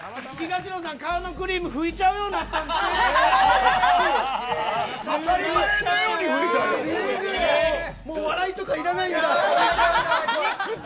東野さん顔のクリーム拭いちゃうようになった。